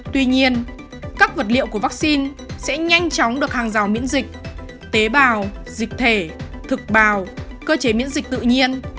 tuy nhiên các vật liệu của vaccine sẽ nhanh chóng được hàng rào miễn dịch tế bào dịch thể thực bào cơ chế miễn dịch tự nhiên